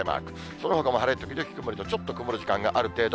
そのほかも晴れ時々曇りと、ちょっと曇る時間がある程度。